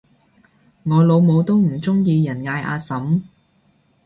我老母都唔鍾意人嗌阿嬸